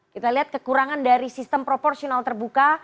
kita lihat kekurangan dari sistem proporsional terbuka